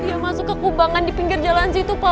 iya masuk ke kubangan di pinggir jalan situ pak